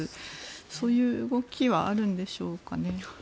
そういう動きはあるんでしょうかね。